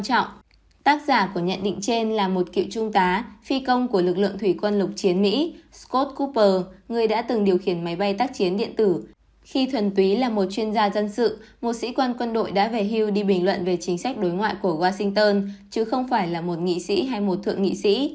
scott cooper người đã từng điều khiển máy bay tác chiến điện tử khi thuần túy là một chuyên gia dân sự một sĩ quan quân đội đã về hill đi bình luận về chính sách đối ngoại của washington chứ không phải là một nghị sĩ hay một thượng nghị sĩ